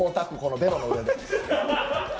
ベロの上で。